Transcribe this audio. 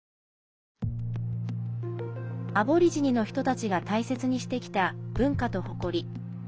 アボリジニの人たちが大切にしてきた文化と誇り。